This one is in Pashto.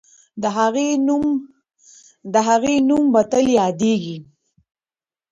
د هغې نوم به تل یادېږي.